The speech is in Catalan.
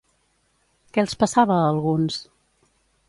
Què els passava a alguns?